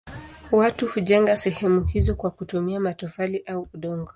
Watu hujenga sehemu hizo kwa kutumia matofali au udongo.